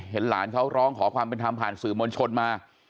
หลานเขาร้องขอความเป็นธรรมผ่านสื่อมวลชนมา